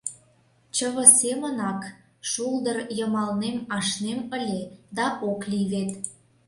Чыве семынак шулдыр йымалнем ашнем ыле, да ок лий вет.